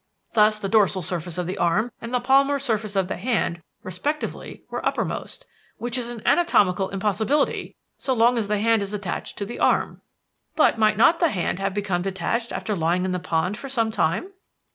Thus the dorsal surface of the arm and the palmar surface of the hand respectively were uppermost, which is an anatomical impossibility so long as the hand is attached to the arm." "But might not the hand have become detached after lying in the pond for some time?"